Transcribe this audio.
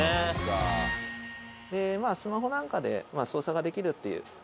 まあスマホなんかで操作ができるっていう。